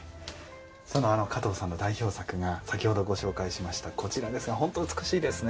その加藤さんの代表作が先ほどご紹介しましたこちらですが本当美しいですね。